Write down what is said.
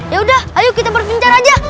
yaudah ayo kita berbincang aja